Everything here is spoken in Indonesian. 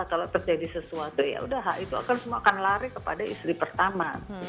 kalau terjadi sesuatu yaudah hak itu akan lari kepada istri pertama